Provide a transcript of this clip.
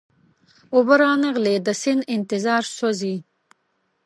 اوبه را نغلې د سیند انتظار سوزي